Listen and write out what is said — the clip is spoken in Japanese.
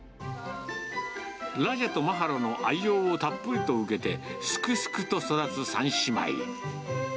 ラジャとマハロの愛情をたっぷりと受けて、すくすくと育つ３姉妹。